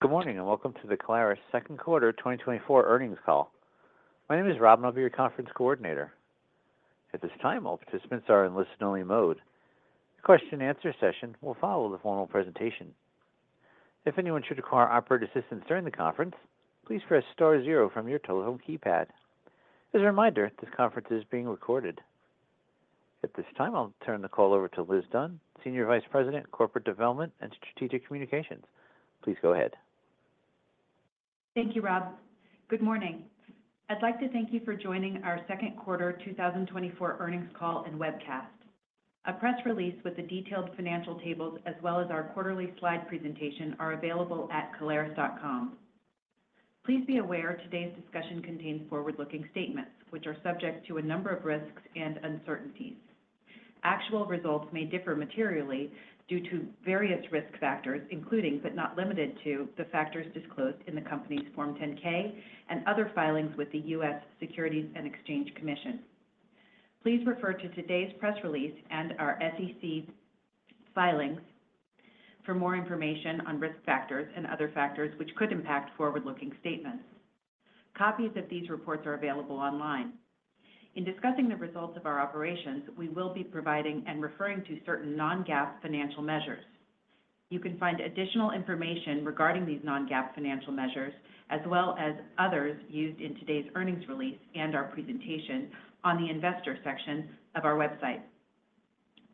Good morning, and welcome to the Caleres Second Quarter 2024 Earnings Call. My name is Rob, and I'll be your conference coordinator. At this time, all participants are in listen-only mode. The question and answer session will follow the formal presentation. If anyone should require operator assistance during the conference, please press star zero from your telephone keypad. As a reminder, this conference is being recorded. At this time, I'll turn the call over to Liz Dunn, Senior Vice President, Corporate Development and Strategic Communications. Please go ahead. Thank you, Rob. Good morning. I'd like to thank you for joining our Second Quarter 2024 Earnings Call and Webcast. A press release with the detailed financial tables, as well as our quarterly slide presentation, are available at caleres.com. Please be aware, today's discussion contains forward-looking statements which are subject to a number of risks and uncertainties. Actual results may differ materially due to various risk factors, including, but not limited to, the factors disclosed in the company's Form 10-K and other filings with the U.S. Securities and Exchange Commission. Please refer to today's press release and our SEC filings for more information on risk factors and other factors which could impact forward-looking statements. Copies of these reports are available online. In discussing the results of our operations, we will be providing and referring to certain non-GAAP financial measures. You can find additional information regarding these non-GAAP financial measures, as well as others used in today's earnings release and our presentation on the investor section of our website.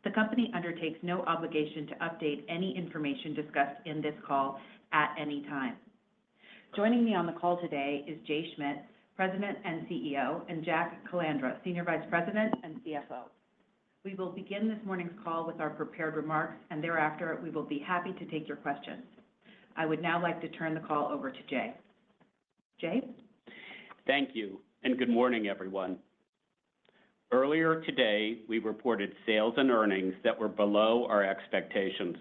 The company undertakes no obligation to update any information discussed in this call at any time. Joining me on the call today is Jay Schmidt, President and CEO, and Jack Calandra, Senior Vice President and CFO. We will begin this morning's call with our prepared remarks, and thereafter, we will be happy to take your questions. I would now like to turn the call over to Jay. Jay? Thank you, and good morning, everyone. Earlier today, we reported sales and earnings that were below our expectations.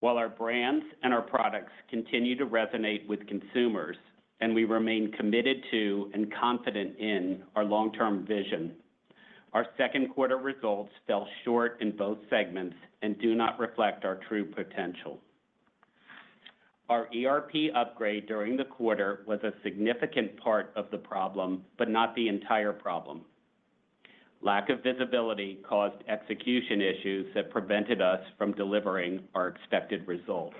While our brands and our products continue to resonate with consumers, and we remain committed to and confident in our long-term vision, our second quarter results fell short in both segments and do not reflect our true potential. Our ERP upgrade during the quarter was a significant part of the problem, but not the entire problem. Lack of visibility caused execution issues that prevented us from delivering our expected results.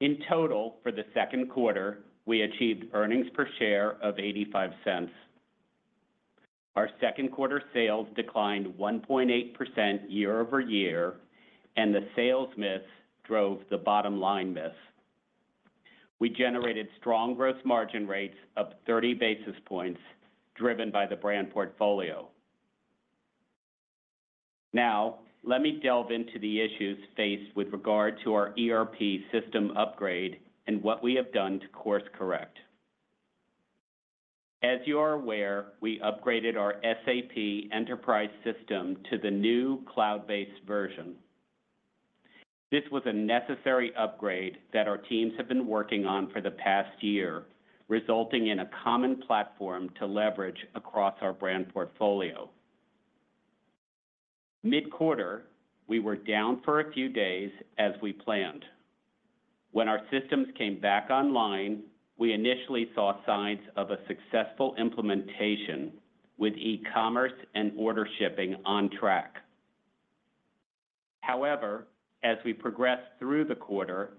In total, for the second quarter, we achieved earnings per share of $0.85. Our second quarter sales declined 1.8% year over year, and the sales miss drove the bottom line miss. We generated strong gross margin rates of 30 basis points, driven by the brand portfolio. Now, let me delve into the issues faced with regard to our ERP system upgrade and what we have done to course correct. As you are aware, we upgraded our SAP Enterprise system to the new cloud-based version. This was a necessary upgrade that our teams have been working on for the past year, resulting in a common platform to leverage across our brand portfolio. Mid-quarter, we were down for a few days as we planned. When our systems came back online, we initially saw signs of a successful implementation with e-commerce and order shipping on track. However, as we progressed through the quarter,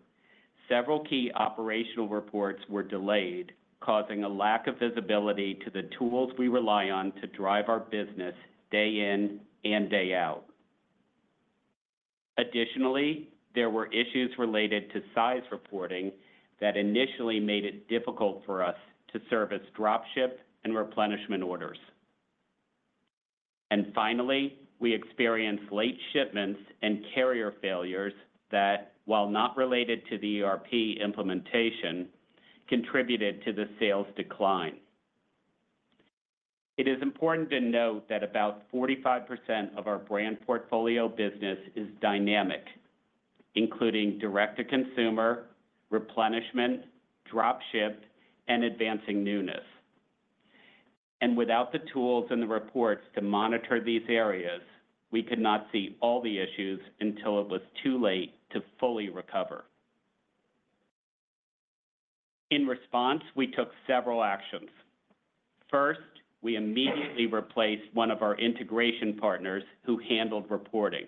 several key operational reports were delayed, causing a lack of visibility to the tools we rely on to drive our business day in and day out. Additionally, there were issues related to size reporting that initially made it difficult for us to service drop ship and replenishment orders, and finally, we experienced late shipments and carrier failures that, while not related to the ERP implementation, contributed to the sales decline. It is important to note that about 45% of our brand portfolio business is dynamic, including direct-to-consumer, replenishment, drop ship, and advancing newness, and without the tools and the reports to monitor these areas, we could not see all the issues until it was too late to fully recover. In response, we took several actions. First, we immediately replaced one of our integration partners who handled reporting.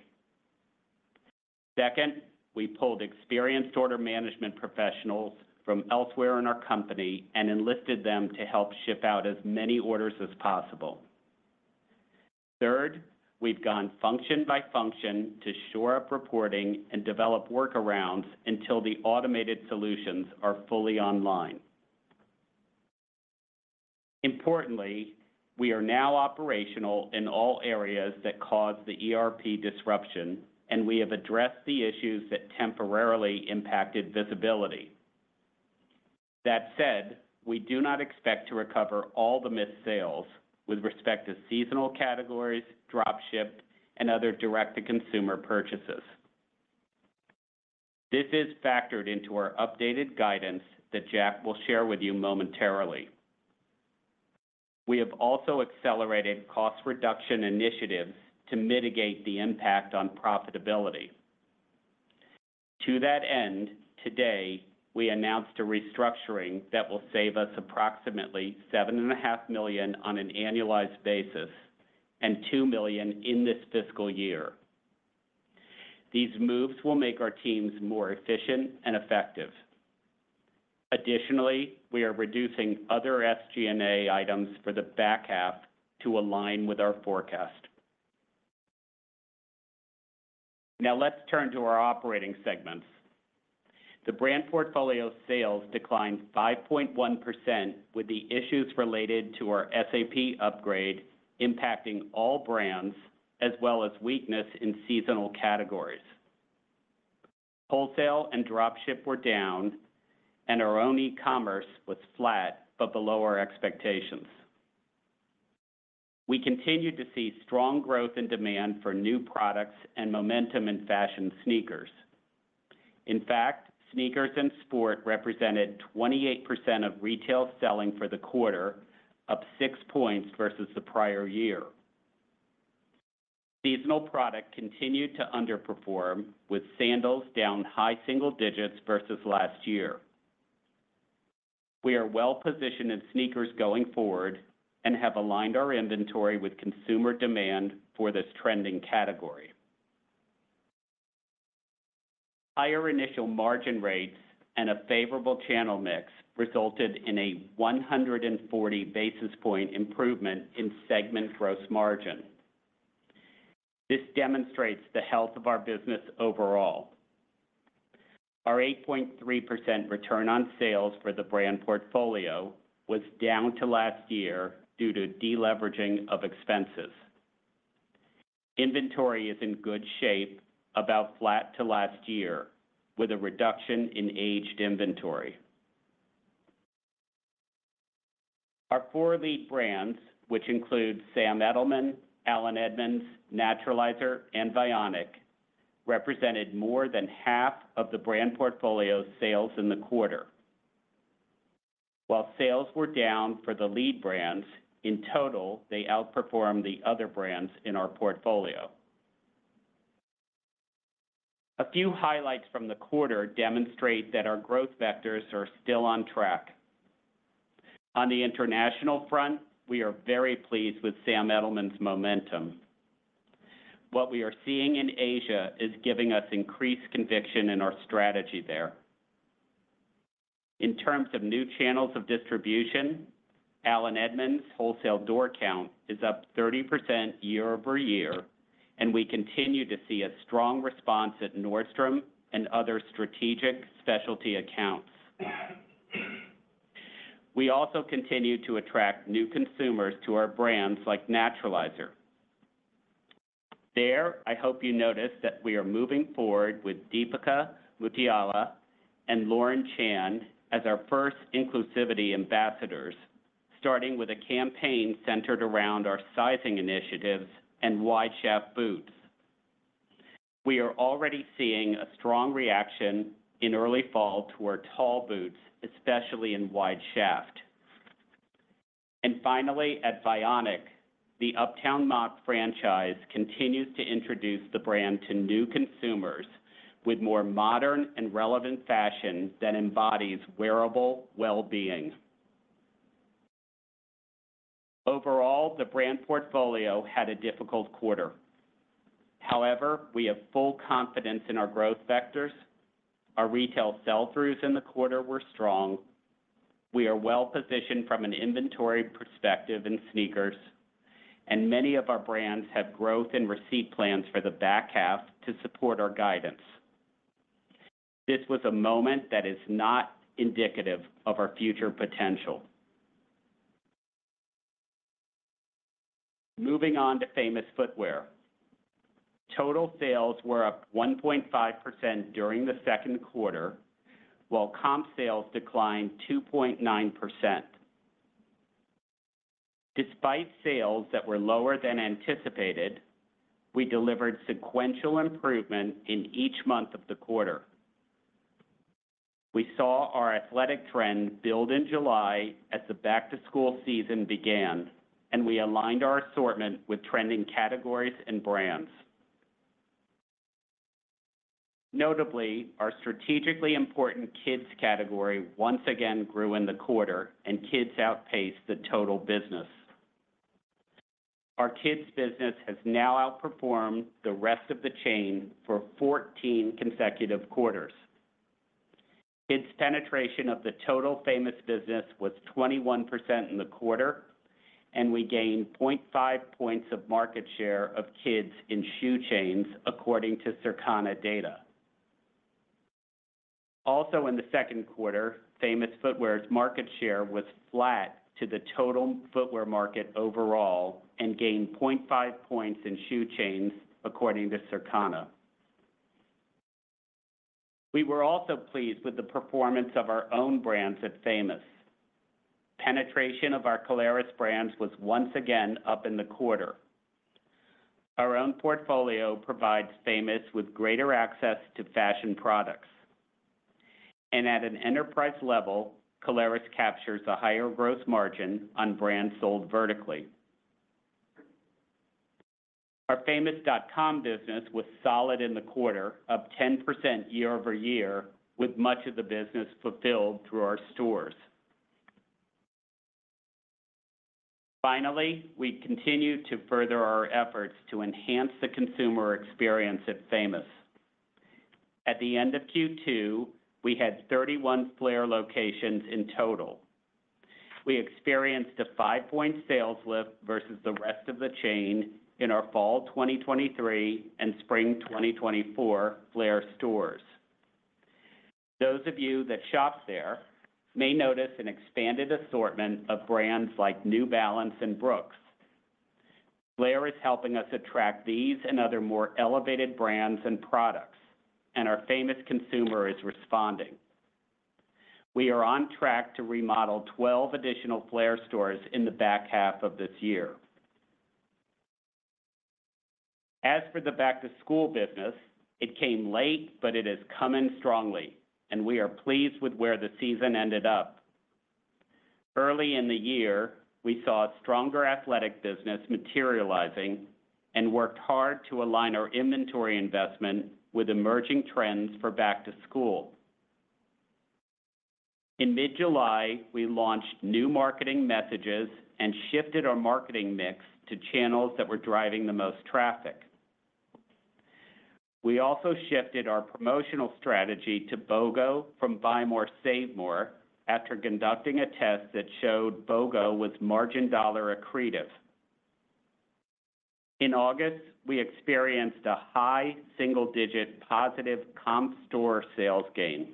Second, we pulled experienced order management professionals from elsewhere in our company and enlisted them to help ship out as many orders as possible. Third, we've gone function by function to shore up reporting and develop workarounds until the automated solutions are fully online. Importantly, we are now operational in all areas that caused the ERP disruption, and we have addressed the issues that temporarily impacted visibility. That said, we do not expect to recover all the missed sales with respect to seasonal categories, drop ship, and other direct-to-consumer purchases. This is factored into our updated guidance that Jack will share with you momentarily. We have also accelerated cost reduction initiatives to mitigate the impact on profitability. To that end, today, we announced a restructuring that will save us approximately $7.5 million on an annualized basis and $2 million in this fiscal year. These moves will make our teams more efficient and effective. Additionally, we are reducing other SG&A items for the back half to align with our forecast. Now let's turn to our operating segments. The brand portfolio sales declined 5.1%, with the issues related to our SAP upgrade impacting all brands as well as weakness in seasonal categories. Wholesale and dropship were down, and our own e-commerce was flat, but below our expectations. We continued to see strong growth and demand for new products and momentum in fashion sneakers. In fact, sneakers and sport represented 28% of retail selling for the quarter, up six points vs the prior year. Seasonal product continued to underperform, with sandals down high single digits vs last year. We are well positioned in sneakers going forward and have aligned our inventory with consumer demand for this trending category. Higher initial margin rates and a favorable channel mix resulted in a 140 basis point improvement in segment gross margin. This demonstrates the health of our business overall. Our 8.3% return on sales for the brand portfolio was down to last year due to deleveraging of expenses. Inventory is in good shape, about flat to last year, with a reduction in aged inventory. Our four lead brands, which include Sam Edelman, Allen Edmonds, Naturalizer, and Vionic, represented more than half of the brand portfolio sales in the quarter. While sales were down for the lead brands, in total, they outperformed the other brands in our portfolio. A few highlights from the quarter demonstrate that our growth vectors are still on track. On the international front, we are very pleased with Sam Edelman's momentum. What we are seeing in Asia is giving us increased conviction in our strategy there. In terms of new channels of distribution, Allen Edmonds' wholesale door count is up 30% year over year, and we continue to see a strong response at Nordstrom and other strategic specialty accounts. We also continue to attract new consumers to our brands like Naturalizer. There, I hope you notice that we are moving forward with Deepica Mutyala and Lauren Chan as our first inclusivity ambassadors, starting with a campaign centered around our sizing initiatives and wide shaft boots. We are already seeing a strong reaction in early fall to our tall boots, especially in wide shaft. And finally, at Vionic, the Uptown Moc franchise continues to introduce the brand to new consumers with more modern and relevant fashion that embodies wearable well-being. Overall, the brand portfolio had a difficult quarter. However, we have full confidence in our growth vectors. Our retail sell-throughs in the quarter were strong. We are well-positioned from an inventory perspective in sneakers, and many of our brands have growth and receipt plans for the back half to support our guidance. This was a moment that is not indicative of our future potential. Moving on to Famous Footwear. Total sales were up 1.5% during the second quarter, while comp sales declined 2.9%. Despite sales that were lower than anticipated, we delivered sequential improvement in each month of the quarter. We saw our Athletic trend build in July as the back-to-school season began, and we aligned our assortment with trending categories and brands. Notably, our strategically important kids category once again grew in the quarter, and kids outpaced the total business. Our kids business has now outperformed the rest of the chain for fourteen consecutive quarters. Kids' penetration of the total Famous business was 21% in the quarter, and we gained 0.5 points of market share of kids in shoe chains, according to Circana data. Also in the second quarter, Famous Footwear's market share was flat to the total footwear market overall and gained 0.5 points in shoe chains, according to Circana. We were also pleased with the performance of our own brands at Famous. Penetration of our Caleres brands was once again up in the quarter. Our own portfolio provides Famous with greater access to fashion products, and at an enterprise level, Caleres captures a higher gross margin on brands sold vertically. Our Famous.com business was solid in the quarter, up 10% year-over-year, with much of the business fulfilled through our stores. Finally, we continue to further our efforts to enhance the consumer experience at Famous. At the end of Q2, we had 31 FLAIR locations in total. We experienced a five-point sales lift vs the rest of the chain in our fall 2023 and spring 2024 FLAIR stores. Those of you that shop there may notice an expanded assortment of brands like New Balance and Brooks. FLAIR is helping us attract these and other more elevated brands and products, and our Famous consumer is responding. We are on track to remodel 12 additional FLAIR stores in the back half of this year. As for the back-to-school business, it came late, but it is coming strongly, and we are pleased with where the season ended up. Early in the year, we saw a stronger Athletic business materializing and worked hard to align our inventory investment with emerging trends for back to school. In mid-July, we launched new marketing messages and shifted our marketing mix to channels that were driving the most traffic. We also shifted our promotional strategy to BOGO from Buy More, Save More, after conducting a test that showed BOGO was margin dollar accretive. In August, we experienced a high single-digit positive comp store sales gain.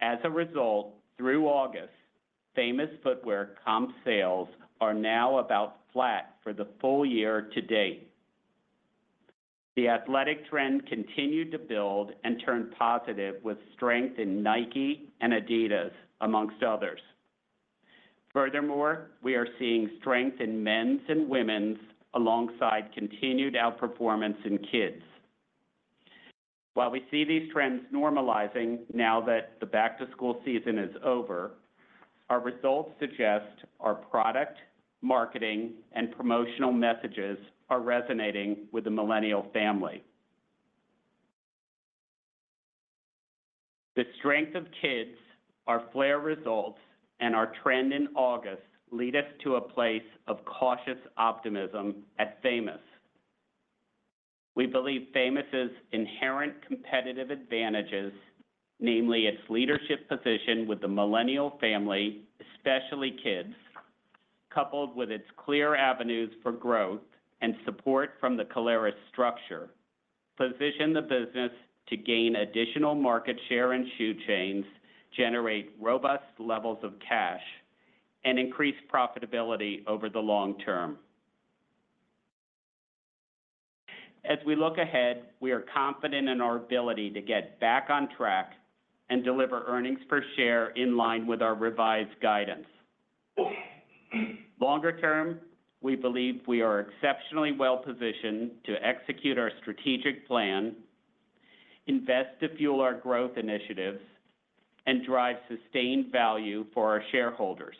As a result, through August, Famous Footwear comp sales are now about flat for the full year to date. The Athletic trend continued to build and turned positive with strength in Nike and Adidas, amongst others. Furthermore, we are seeing strength in men's and women's, alongside continued outperformance in kids. While we see these trends normalizing now that the back-to-school season is over, our results suggest our product, marketing, and promotional messages are resonating with the millennial family. The strength of kids, our FLAIR results, and our trend in August lead us to a place of cautious optimism at Famous. We believe Famous's inherent competitive advantages, namely its leadership position with the millennial family, especially kids, coupled with its clear avenues for growth and support from the Caleres structure, position the business to gain additional market share and shoe chains, generate robust levels of cash, and increase profitability over the long term. As we look ahead, we are confident in our ability to get back on track and deliver earnings per share in line with our revised guidance. Longer term, we believe we are exceptionally well-positioned to execute our strategic plan, invest to fuel our growth initiatives, and drive sustained value for our shareholders.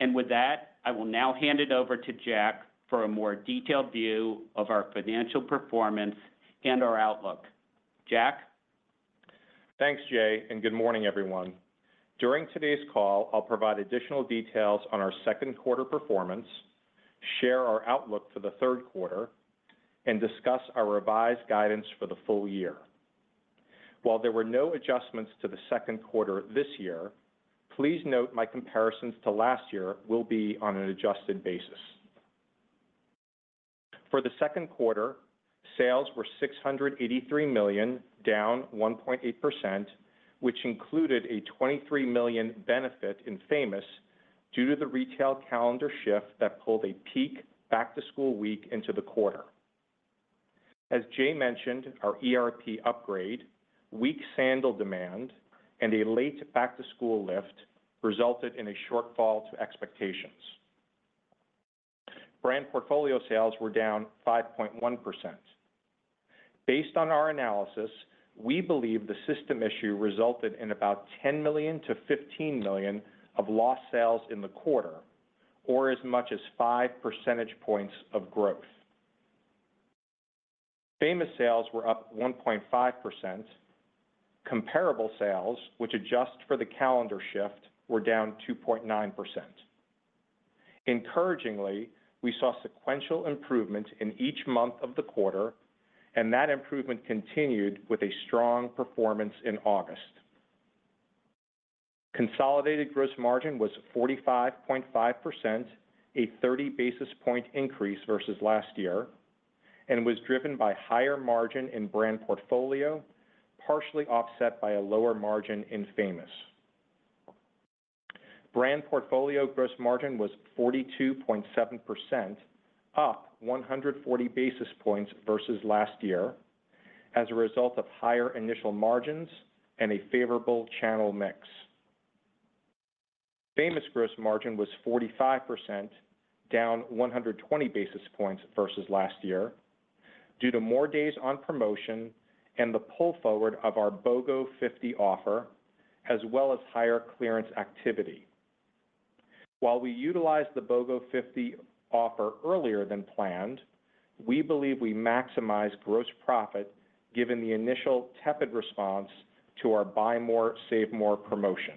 And with that, I will now hand it over to Jack for a more detailed view of our financial performance and our outlook. Jack? Thanks, Jay, and good morning, everyone. During today's call, I'll provide additional details on our second quarter performance, share our outlook for the third quarter, and discuss our revised guidance for the full year. While there were no adjustments to the second quarter this year, please note my comparisons to last year will be on an adjusted basis. For the second quarter, sales were $683 million, down 1.8%, which included a $23 million benefit in Famous due to the retail calendar shift that pulled a peak back-to-school week into the quarter. As Jay mentioned, our ERP upgrade, weak sandal demand, and a late back-to-school lift resulted in a shortfall to expectations. Brand portfolio sales were down 5.1%. Based on our analysis, we believe the system issue resulted in about $10 million-$15 million of lost sales in the quarter, or as much as 5% points of growth. Famous sales were up 1.5%. Comparable sales, which adjust for the calendar shift, were down 2.9%. Encouragingly, we saw sequential improvement in each month of the quarter, and that improvement continued with a strong performance in August. Consolidated gross margin was 45.5%, a 30 basis point increase vs last year, and was driven by higher margin in brand portfolio, partially offset by a lower margin in Famous. Brand portfolio gross margin was 42.7%, up 140 basis points vs last year, as a result of higher initial margins and a favorable channel mix.... Famous gross margin was 45%, down 120 basis points vs last year, due to more days on promotion and the pull forward of our BOGO 50 offer, as well as higher clearance activity. While we utilized the BOGO 50 offer earlier than planned, we believe we maximized gross profit, given the initial tepid response to our Buy More, Save More promotion.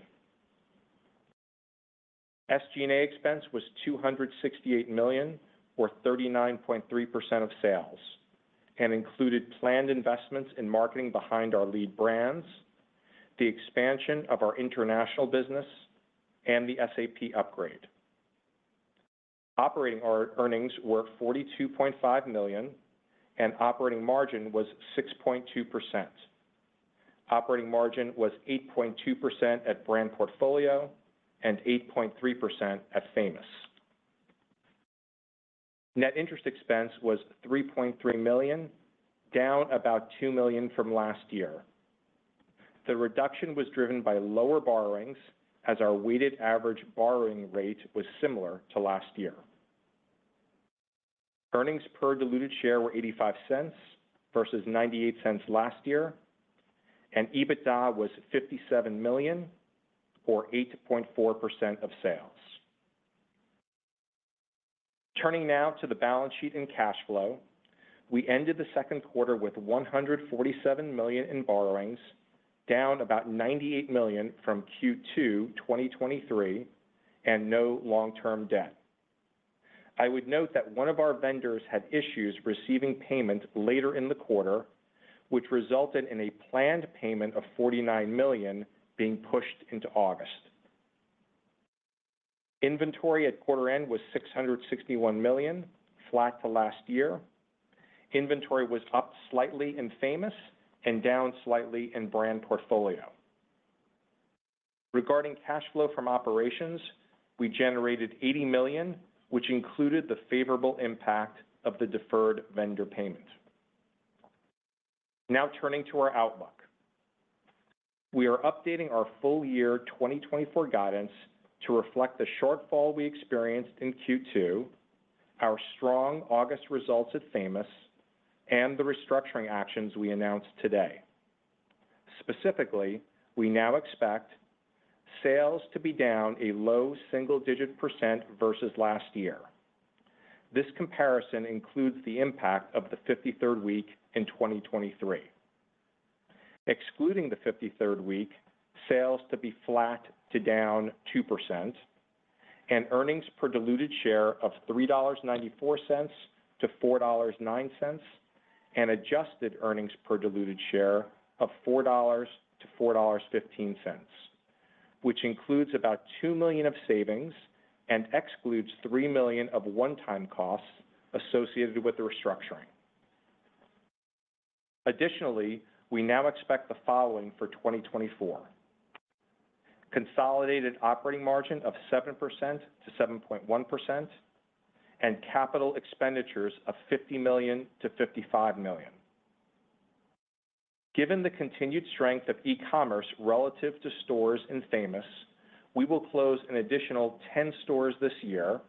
SG&A expense was 268 million, or 39.3% of sales, and included planned investments in marketing behind our lead brands, the expansion of our international business, and the SAP upgrade. Operating earnings were 42.5 million, and operating margin was 6.2%. Operating margin was 8.2% at Brand Portfolio and 8.3% at Famous. Net interest expense was 3.3 million, down about 2 million from last year. The reduction was driven by lower borrowings, as our weighted average borrowing rate was similar to last year. Earnings per diluted share were $0.85 vs $0.98 last year, and EBITDA was $57 million, or 8.4% of sales. Turning now to the balance sheet and cash flow. We ended the second quarter with $147 million in borrowings, down about $98 million from Q2 2023, and no long-term debt. I would note that one of our vendors had issues receiving payment later in the quarter, which resulted in a planned payment of $49 million being pushed into August. Inventory at quarter end was $661 million, flat to last year. Inventory was up slightly in Famous and down slightly in Brand Portfolio. Regarding cash flow from operations, we generated $80 million, which included the favorable impact of the deferred vendor payment. Now turning to our outlook. We are updating our full year 2024 guidance to reflect the shortfall we experienced in Q2, our strong August results at Famous, and the restructuring actions we announced today. Specifically, we now expect sales to be down a low single-digit % vs last year. This comparison includes the impact of the 53rd week in 2023. Excluding the 53rd week, sales to be flat to down 2% and earnings per diluted share of $3.94-$4.09, and adjusted earnings per diluted share of $4-$4.15, which includes about $2 million of savings and excludes $3 million of one-time costs associated with the restructuring. Additionally, we now expect the following for 2024: consolidated operating margin of 7%-7.1% and capital expenditures of $50 million-$55 million. Given the continued strength of e-commerce relative to stores in Famous, we will close an additional 10 stores this year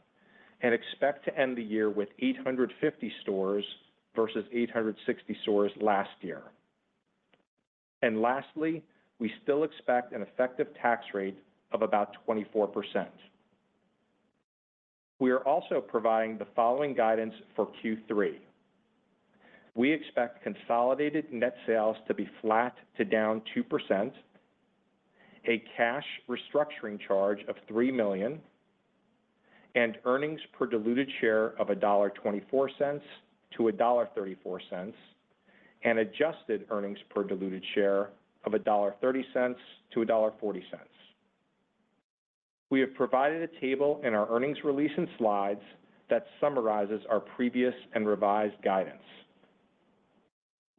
and expect to end the year with 850 stores vs 860 stores last year. And lastly, we still expect an effective tax rate of about 24%. We are also providing the following guidance for Q3. We expect consolidated net sales to be flat to down 2%, a cash restructuring charge of $3 million, and earnings per diluted share of $1.24-$1.34, and adjusted earnings per diluted share of $1.30-$1.40. We have provided a table in our earnings release and slides that summarizes our previous and revised guidance.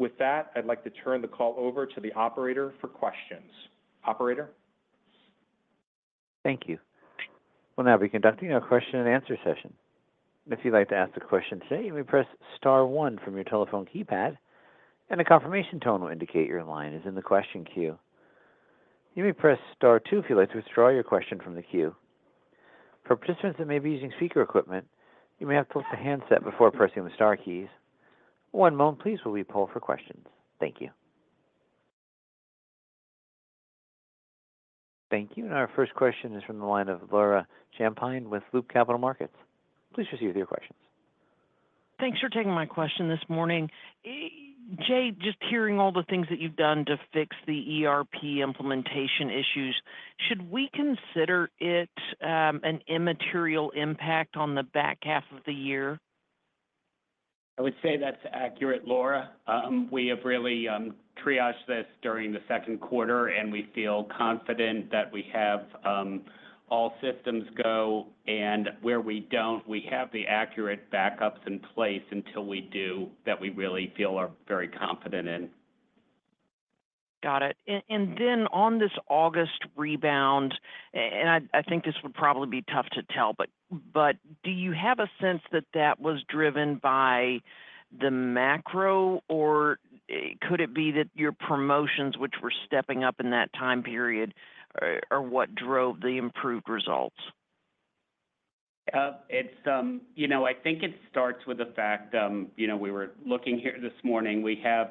With that, I'd like to turn the call over to the operator for questions. Operator? Thank you. We'll now be conducting our question and answer session. If you'd like to ask a question today, you may press star one from your telephone keypad, and a confirmation tone will indicate your line is in the question queue. You may press star two if you'd like to withdraw your question from the queue. For participants that may be using speaker equipment, you may have to lift the handset before pressing the star keys. One moment, please, while we pull for questions. Thank you. Thank you. Our first question is from the line of Laura Champine with Loop Capital Markets. Please proceed with your questions. Thanks for taking my question this morning. Jay, just hearing all the things that you've done to fix the ERP implementation issues, should we consider it an immaterial impact on the back half of the year? I would say that's accurate, Laura. We have really triaged this during the second quarter, and we feel confident that we have all systems go, and where we don't, we have the accurate backups in place until we do that we really feel are very confident in. Got it. And then on this August rebound, and I think this would probably be tough to tell, but do you have a sense that that was driven by the macro, or could it be that your promotions, which were stepping up in that time period, are what drove the improved results?... it's, you know, I think it starts with the fact, you know, we were looking here this morning. We have,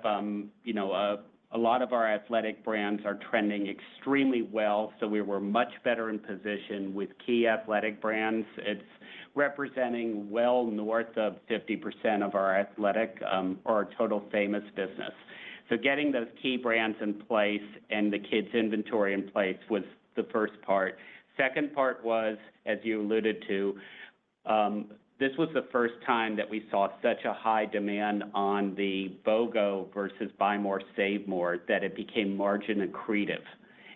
you know, a lot of our Athletic brands are trending extremely well, so we were much better in position with key Athletic brands. It's representing well north of 50% of our Athletic, or our total Famous business. So getting those key brands in place and the kids' inventory in place was the first part. Second part was, as you alluded to, this was the first time that we saw such a high demand on the BOGO vs Buy More, Save More, that it became margin accretive.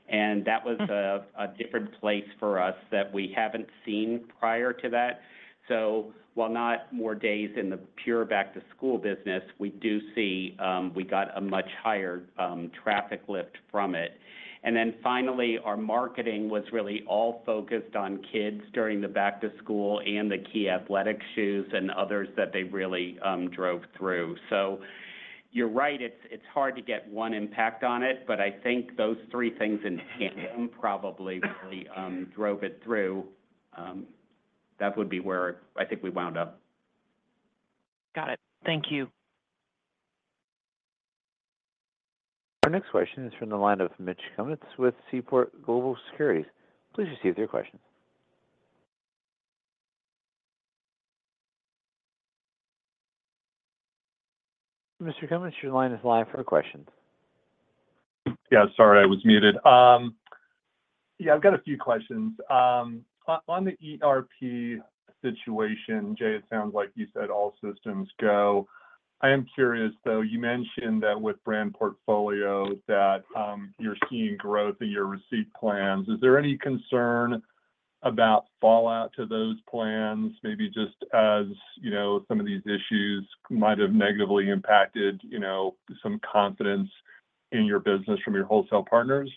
And that was- Mm... a different place for us that we haven't seen prior to that. So while not more days in the pure back-to-school business, we do see we got a much higher traffic lift from it. And then finally, our marketing was really all focused on kids during the back to school and the key Athletic shoes and others that they really drove through. So you're right, it's hard to get one impact on it, but I think those three things in tandem probably really drove it through. That would be where I think we wound up. Got it. Thank you. Our next question is from the line of Mitch Kummetz with Seaport Global Securities. Please proceed with your question. Mr. Cummings, your line is live for questions. Yeah, sorry, I was muted. Yeah, I've got a few questions. On the ERP situation, Jay, it sounds like you said all systems go. I am curious, though. You mentioned that with brand portfolio, that you're seeing growth in your receipt plans. Is there any concern about fallout to those plans, maybe just as, you know, some of these issues might have negatively impacted, you know, some confidence in your business from your wholesale partners?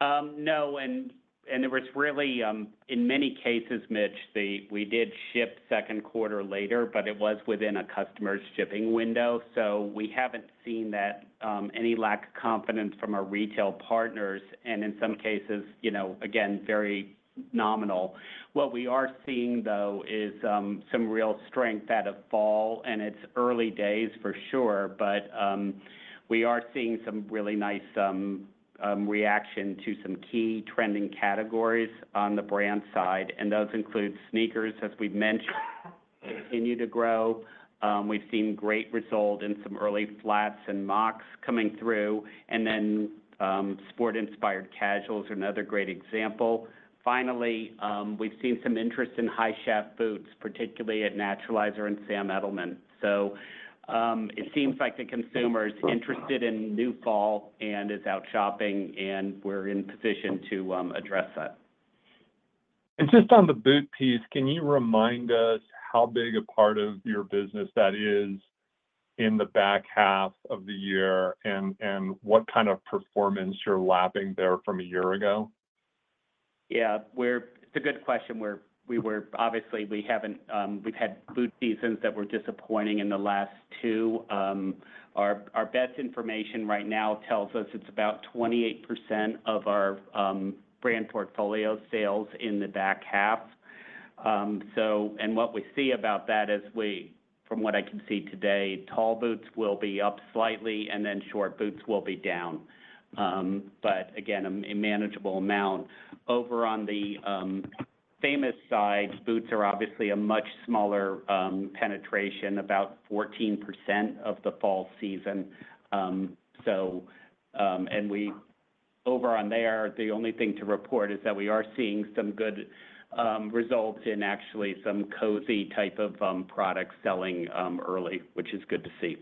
No, and there was really, in many cases, Mitch, the... We did ship second quarter later, but it was within a customer's shipping window, so we haven't seen that, any lack of confidence from our retail partners, and in some cases, you know, again, very nominal. What we are seeing, though, is some real strength out of fall, and it's early days, for sure. But we are seeing some really nice reaction to some key trending categories on the brand side, and those include sneakers, as we've mentioned, continue to grow. We've seen great result in some early flats and mocs coming through, and then sport-inspired casuals are another great example. Finally, we've seen some interest in high shaft boots, particularly at Naturalizer and Sam Edelman. It seems like the consumer is interested in new fall and is out shopping, and we're in position to address that. Just on the boot piece, can you remind us how big a part of your business that is in the back half of the year, and what kind of performance you're lapping there from a year ago? Yeah. It's a good question. Obviously, we haven't. We've had boot seasons that were disappointing in the last two. Our best information right now tells us it's about 28% of our brand portfolio sales in the back half. So. And what we see about that is we, from what I can see today, tall boots will be up slightly, and then short boots will be down, but again, a manageable amount. Over on the Famous side, boots are obviously a much smaller penetration, about 14% of the fall season. So, over on there, the only thing to report is that we are seeing some good results in actually some cozy type of products selling early, which is good to see.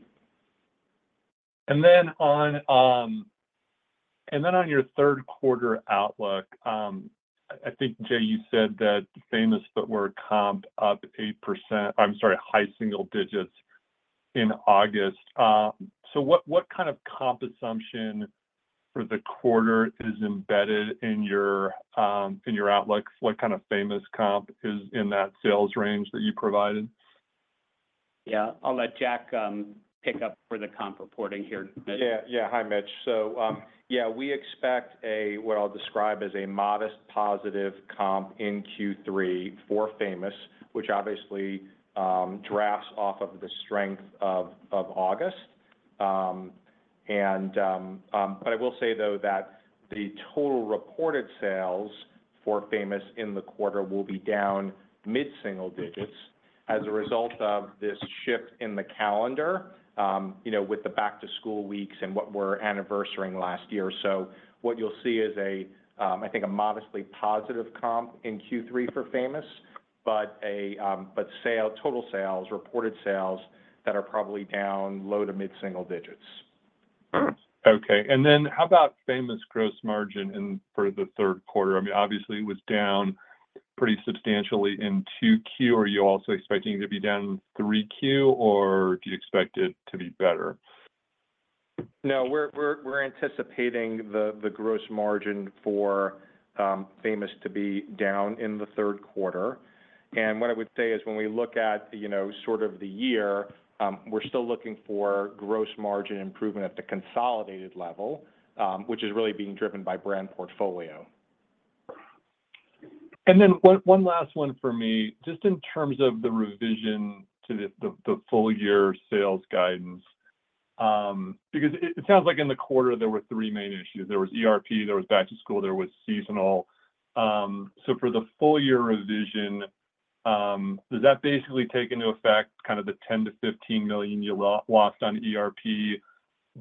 And then on your third quarter outlook, I think, Jay, you said that Famous Footwear comped up 8%... I'm sorry, high single digits in August. So what kind of comp assumption for the quarter is embedded in your outlook? What kind of Famous comp is in that sales range that you provided? Yeah. I'll let Jack pick up for the comp reporting here, Mitch. Yeah. Hi, Mitch. So, yeah, we expect what I'll describe as a modest positive comp in Q3 for Famous, which obviously drafts off of the strength of August. But I will say, though, that the total reported sales for Famous in the quarter will be down mid-single digits as a result of this shift in the calendar, you know, with the back-to-school weeks and what we're anniversarying last year. So what you'll see is, I think, a modestly positive comp in Q3 for Famous, but total sales, reported sales that are probably down low to mid-single digits. Okay. And then how about Famous gross margin in for the third quarter? I mean, obviously, it was down pretty substantially in 2Q. Are you also expecting it to be down in 3Q, or do you expect it to be better? No, we're anticipating the gross margin for Famous to be down in the third quarter. What I would say is when we look at, you know, sort of the year, we're still looking for gross margin improvement at the consolidated level, which is really being driven by brand portfolio. Then one last one for me. Just in terms of the revision to the full year sales guidance, because it sounds like in the quarter there were three main issues: there was ERP, there was back to school, there was seasonal. So for the full year revision, does that basically take into effect kind of the $10-$15 million you lost on ERP?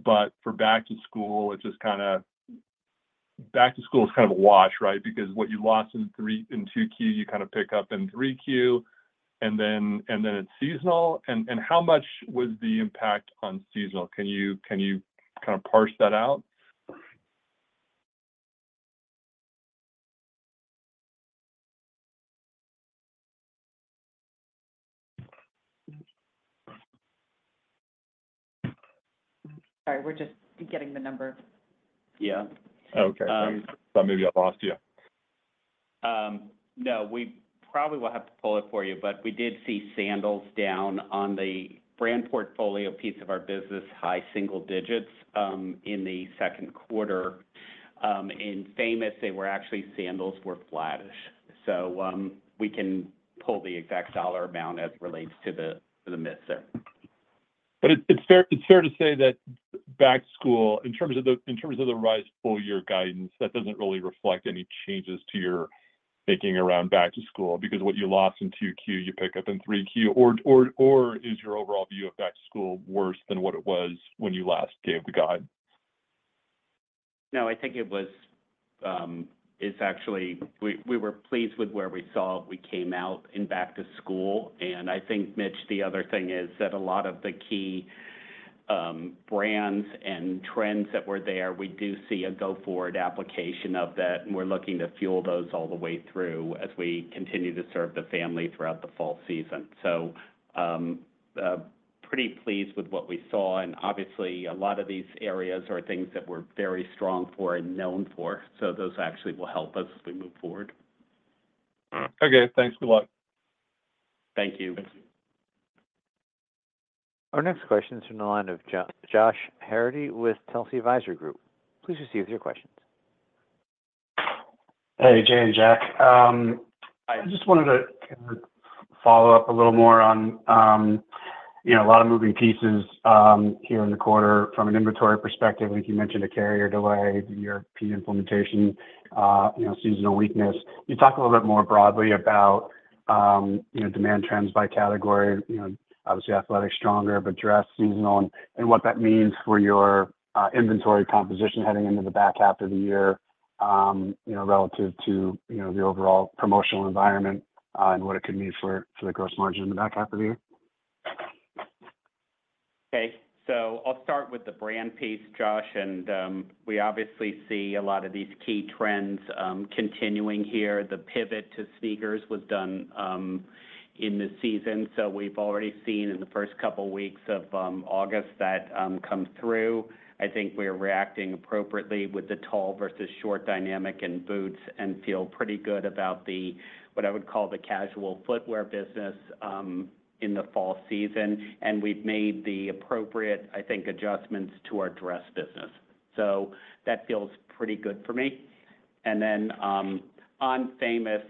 But for back to school, back to school is kind of a wash, right? Because what you lost in 2Q, you kind of pick up in 3Q, and then it's seasonal. How much was the impact on seasonal? Can you kind of parse that out? Sorry, we're just getting the number. Yeah. Okay. Um- Sorry, maybe I lost you. No, we probably will have to pull it for you, but we did see sandals down on the brand portfolio piece of our business, high single digits, in the second quarter. In Famous, they were actually flattish. We can pull the exact dollar amount as it relates to the mid set. It's fair to say that back to school, in terms of the revised full year guidance, that doesn't really reflect any changes to your thinking around back to school, because what you lost in 2Q, you pick up in 3Q. Or is your overall view of back to school worse than what it was when you last gave the guide? No, I think it was. It's actually we were pleased with where we saw we came out in back to school. And I think, Mitch, the other thing is that a lot of the key brands and trends that were there, we do see a go-forward application of that, and we're looking to fuel those all the way through as we continue to serve the family throughout the fall season. So, pretty pleased with what we saw, and obviously, a lot of these areas are things that we're very strong for and known for, so those actually will help us as we move forward. Okay, thanks a lot. Thank you. Thanks. Our next question is from the line of Josh Harrity with Telsey Advisory Group. Please proceed with your questions. Hey, Jay and Jack. I just wanted to follow up a little more on, you know, a lot of moving pieces, here in the quarter from an inventory perspective. I think you mentioned a carrier delay, the ERP implementation, you know, seasonal weakness. Can you talk a little bit more broadly about, you know, demand trends by category? You know, obviously, Athletic, stronger, but dress, seasonal, and what that means for your, inventory composition heading into the back half of the year, you know, relative to, you know, the overall promotional environment, and what it could mean for, for the gross margin in the back half of the year? Okay. So I'll start with the brand piece, Josh, and we obviously see a lot of these key trends continuing here. The pivot to sneakers was done in the season, so we've already seen in the first couple of weeks of August that come through. I think we're reacting appropriately with the tall vs short dynamic in boots and feel pretty good about what I would call the casual footwear business in the fall season, and we've made the appropriate, I think, adjustments to our dress business, so that feels pretty good for me. And then on Famous,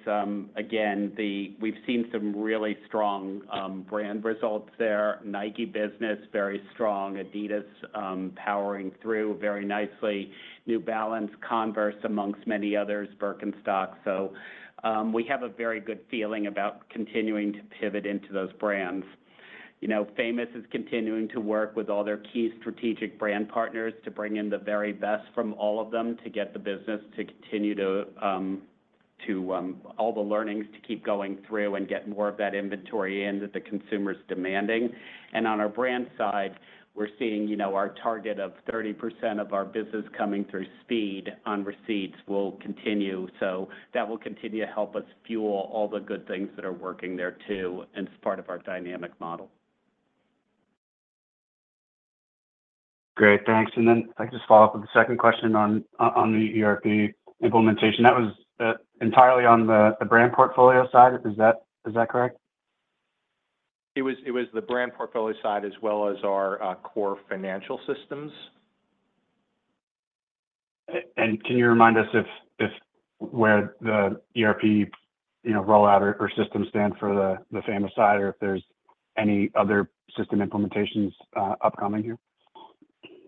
again, we've seen some really strong brand results there. Nike business, very strong. Adidas powering through very nicely. New Balance, Converse, among many others, Birkenstock. So we have a very good feeling about continuing to pivot into those brands. You know, Famous is continuing to work with all their key strategic brand partners to bring in the very best from all of them to get the business to continue to all the learnings to keep going through and get more of that inventory in that the consumer is demanding, and on our brand side, we're seeing, you know, our target of 30% of our business coming through speed on receipts will continue, so that will continue to help us fuel all the good things that are working there, too, and it's part of our dynamic model. Great, thanks. And then if I could just follow up with the second question on the ERP implementation. That was entirely on the brand portfolio side. Is that correct? It was the brand portfolio side, as well as our core financial systems. And can you remind us if where the ERP, you know, rollout or system stand for the Famous side, or if there's any other system implementations upcoming here?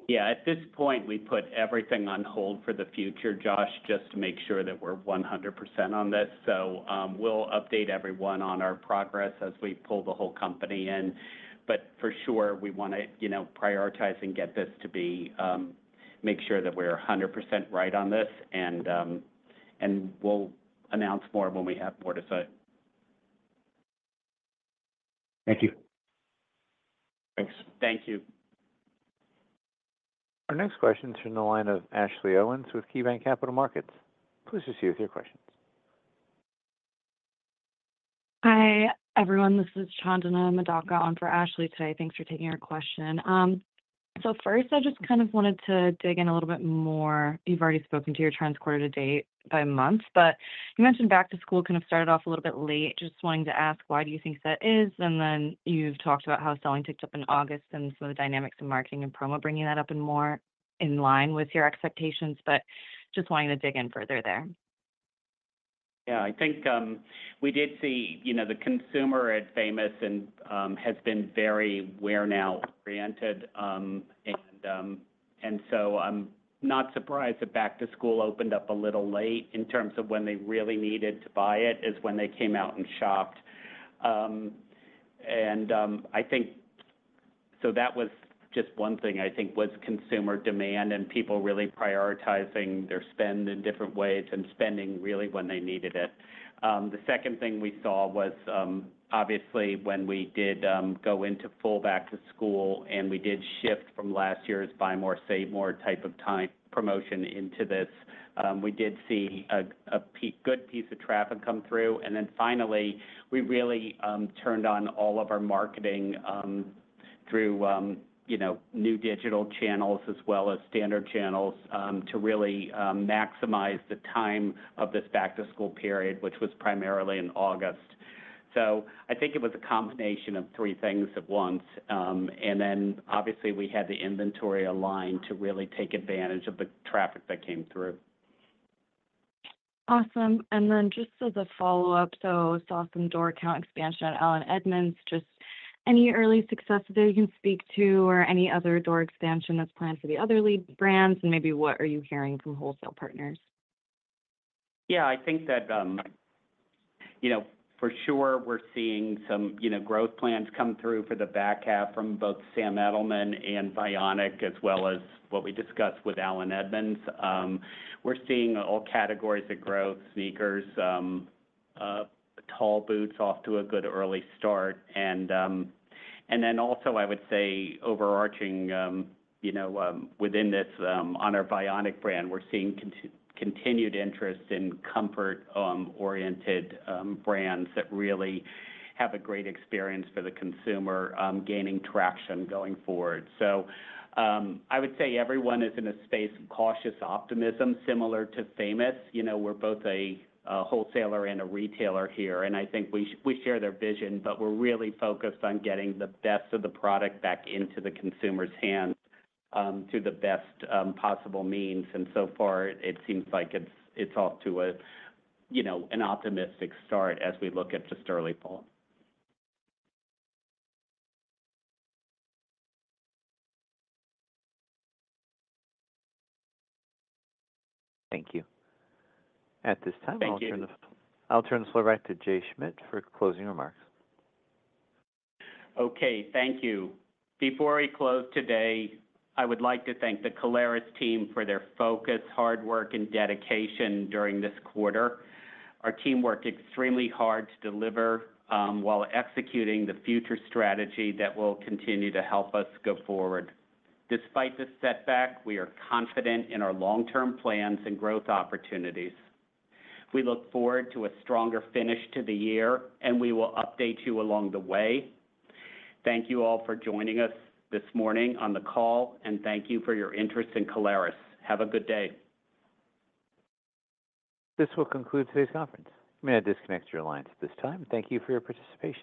Yeah. At this point, we put everything on hold for the future, Josh, just to make sure that we're 100% on this. So, we'll update everyone on our progress as we pull the whole company in. But for sure, we wanna, you know, prioritize and get this to be, make sure that we're 100% right on this, and we'll announce more when we have more to say. Thank you. Thanks. Thank you. Our next question is from the line of Ashley Owens with KeyBank Capital Markets. Please proceed with your questions. Hi, everyone. This is Chandana Madhavan on for Ashley today. Thanks for taking our question. So first, I just kind of wanted to dig in a little bit more. You've already spoken to your trends quarter to date by month, but you mentioned back to school kind of started off a little bit late. Just wanting to ask, why do you think that is? And then you've talked about how selling ticked up in August and some of the dynamics in marketing and promo, bringing that up in more in line with your expectations, but just wanting to dig in further there. Yeah, I think we did see, you know, the consumer at Famous and has been very wear-now oriented. So I'm not surprised that back to school opened up a little late in terms of when they really needed to buy it, is when they came out and shopped. So that was just one thing, I think was consumer demand and people really prioritizing their spend in different ways and spending really when they needed it. The second thing we saw was obviously when we did go into full back to school and we did shift from last year's Buy More, Save More type of time promotion into this, we did see a good piece of traffic come through. And then finally, we really turned on all of our marketing through you know new digital channels as well as standard channels to really maximize the time of this back to school period, which was primarily in August. So I think it was a combination of three things at once. And then obviously, we had the inventory aligned to really take advantage of the traffic that came through. Awesome. And then just as a follow-up, so saw some door count expansion at Allen Edmonds. Just any early success that you can speak to or any other door expansion that's planned for the other lead brands? And maybe what are you hearing from wholesale partners? Yeah, I think that, you know, for sure, we're seeing some, you know, growth plans come through for the back half from both Sam Edelman and Vionic, as well as what we discussed with Allen Edmonds. We're seeing all categories of growth, sneakers, tall boots off to a good early start, and then also, I would say, overarching, you know, within this, on our Vionic brand, we're seeing continued interest in comfort-oriented brands that really have a great experience for the consumer, gaining traction going forward, so I would say everyone is in a space of cautious optimism, similar to Famous. You know, we're both a wholesaler and a retailer here, and I think we share their vision, but we're really focused on getting the best of the product back into the consumer's hands, to the best possible means, and so far, it seems like it's off to a, you know, an optimistic start as we look at the sterling fall. Thank you. At this time- Thank you... I'll turn the floor back to Jay Schmidt for closing remarks. Okay, thank you. Before we close today, I would like to thank the Caleres team for their focus, hard work, and dedication during this quarter. Our team worked extremely hard to deliver while executing the future strategy that will continue to help us go forward. Despite this setback, we are confident in our long-term plans and growth opportunities. We look forward to a stronger finish to the year, and we will update you along the way. Thank you all for joining us this morning on the call, and thank you for your interest in Caleres. Have a good day. This will conclude today's conference. You may disconnect your lines at this time. Thank you for your participation.